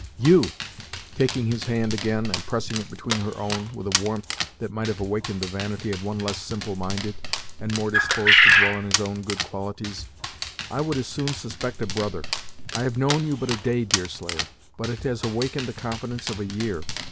"You!" taking his hand again, and pressing it between her own, with a warmth that might have awakened the vanity of one less simple minded, and more disposed to dwell on his own good qualities, "I would as soon suspect a brother! I have known you but a day, Deerslayer, but it has awakened the confidence of a year.